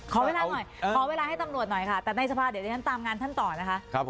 ขอเวลาหน่อยขอเวลาให้ตำรวจหน่อยค่ะแต่ในสภาเดี๋ยวดิฉันตามงานท่านต่อนะคะ